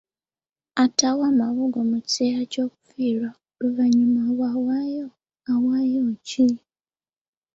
Atawa mabugo mu kiseera ky'okufiirwa, oluvannyuma bwawaayo, awaayo ki?